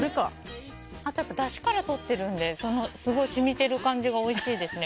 あと、だしからとっているので染みてる感じがおいしいですね